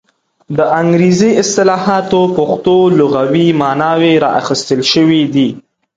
د انګریزي اصطلاحاتو پښتو لغوي ماناوې را اخیستل شوې دي.